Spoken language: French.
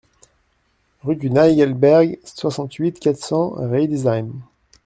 Rue du Naegeleberg, soixante-huit, quatre cents Riedisheim